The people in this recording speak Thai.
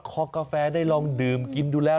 คอกาแฟได้ลองดื่มกินดูแล้ว